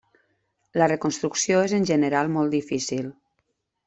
La reconstrucció és en general molt difícil.